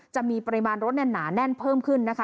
จะมีปริมาณรถหนาแน่นเพิ่มขึ้นนะคะ